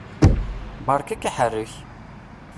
Beṛka-k aḥerrek!